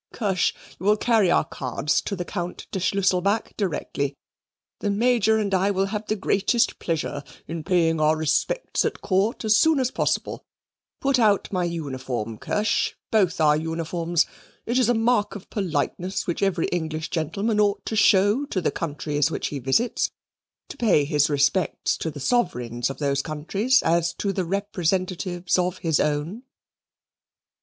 Kirsch, you will carry our cards to the Count de Schlusselback directly; the Major and I will have the greatest pleasure in paying our respects at Court as soon as possible. Put out my uniform, Kirsch both our uniforms. It is a mark of politeness which every English gentleman ought to show to the countries which he visits to pay his respects to the sovereigns of those countries as to the representatives of his own."